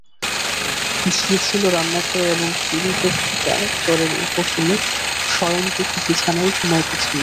ঝি ছিল রান্নাঘরে এবং পীড়িত খোকা জ্বরের উপশমে শয়নগৃহে বিছানায় ঘুমাইতেছিল।